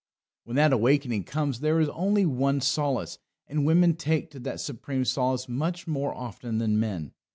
When that awakening comes there is only one solace, and women take to that supreme solace much more often than men.